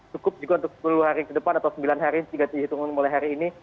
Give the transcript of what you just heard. cukup juga untuk sepuluh hari ke depan atau sembilan hari jika dihitungan mulai hari ini